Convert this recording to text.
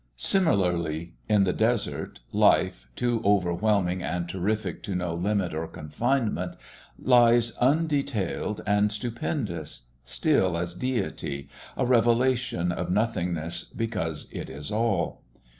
Similarly, in the desert, life, too overwhelming and terrific to know limit or confinement, lies undetailed and stupendous, still as deity, a revelation of nothingness because it is all.